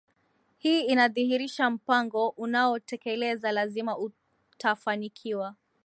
hii inadhihirisha mpango anaoutekeleza lazima utafanikiwa